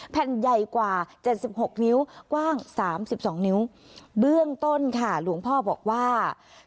แผ่นใหญ่กว่าเจ็ดสิบหกนิ้วกว้างสามสิบสองนิ้วเบื้องต้นค่ะหลวงพ่อบอกว่า